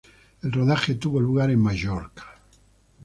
El rodaje tuvo lugar en Mallorca.